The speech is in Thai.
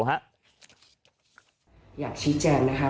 อยากชี้แจงนะครับ